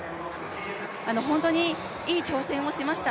本当にいい挑戦をしました。